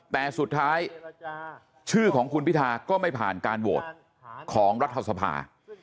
แต่สุดท้ายชื่อของคุณพิธาก็ไม่ผ่านการโหวตของรัฐสภา